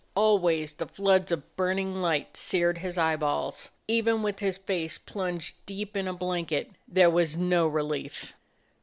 Always the floods of burning light seared his eyeballs. Even with his face plunged deep in a blanket there was no relief.